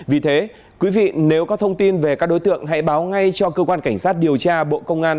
vì thế quý vị nếu có thông tin về các đối tượng hãy báo ngay cho cơ quan cảnh sát điều tra bộ công an